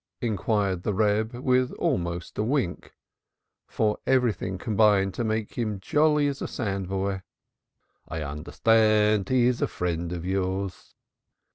inquired the Reb with almost a wink, for everything combined to make him jolly as a sandboy. "I understand he is a friend of yours."